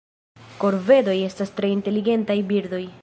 Korvedoj estas tre inteligentaj birdoj.